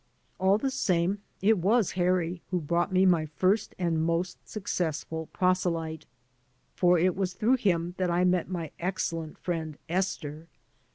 All the same, it was Harry who brought me my first and most successful proselyte. For it was through him that I met my excellent friend Esther.